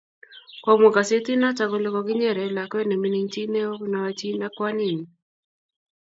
Komwa gazetinoto kole kokinyere lakwet ne mining chi neo neoechin ak kwaninyi